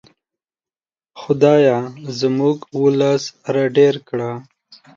خدایه زموږ ولس را ډېر کړه.